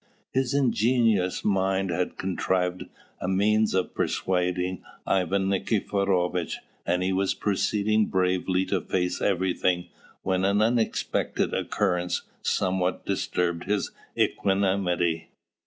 His ingenious mind had contrived a means of persuading Ivan Nikiforovitch; and he was proceeding bravely to face everything when an unexpected occurrence somewhat disturbed his equanimity.